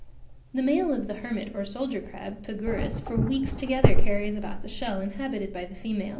The male of the hermit or soldier crab (Pagurus) for weeks together, carries about the shell inhabited by the female.